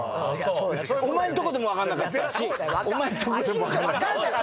お前んとこでも分かんなかったしお前んとこでも分かんない。